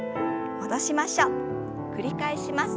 繰り返します。